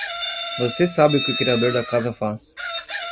Você sabe o que o criador da casa faz.